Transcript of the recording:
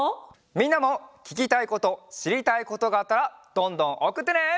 みんなもききたいことしりたいことがあったらどんどんおくってね！